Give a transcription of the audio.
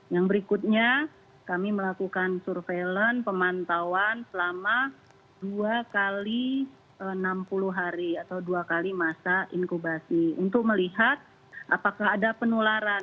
yang berikutnya kami melakukan surveillance pemantauan selama dua x enam puluh hari atau dua kali masa inkubasi untuk melihat apakah ada penularan